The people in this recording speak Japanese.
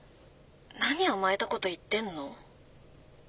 何甘えたこと言ってんの？